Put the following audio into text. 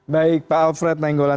baik pak alfred nenggolan